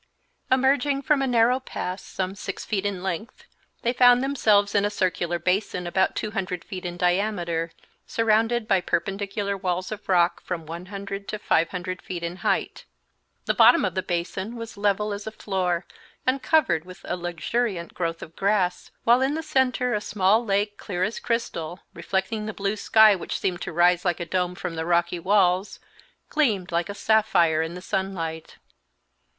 Emerging from a narrow pass some six feet in length, they found themselves in a circular basin, about two hundred feet in diameter, surrounded by perpendicular walls of rock from one hundred to five hundred feet in height. The bottom of the basin was level as a floor and covered with a luxuriant growth of grass, while in the centre a small lake, clear as crystal, reflecting the blue sky which seemed to rise like a dome from the rocky walls, gleamed like a sapphire in the sunlight.